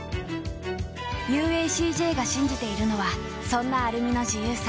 ＵＡＣＪ が信じているのはそんなアルミの自由さ。